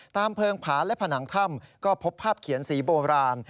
เพลิงผาและผนังถ้ำก็พบภาพเขียนสีโบราณ